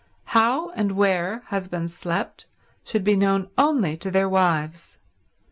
How and where husbands slept should be known only to their wives.